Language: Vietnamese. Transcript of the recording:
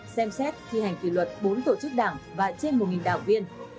xem xét thi hành kỷ luật bốn tổ chức đảng và trên một đảng viên